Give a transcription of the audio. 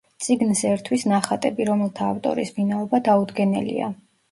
წიგნს ერთვის ნახატები, რომელთა ავტორის ვინაობა დაუდგენელია.